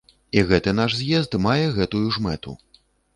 І гэты наш з'езд мае гэтую ж мэту.